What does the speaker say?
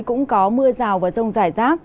cũng có mưa rào và rông rải rác